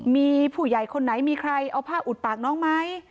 มีผู้ใหญ่คนไหนมีใครเอาผ้าอุดปากน้องไหม